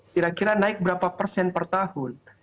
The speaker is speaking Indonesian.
kira kira naik berapa persen per tahun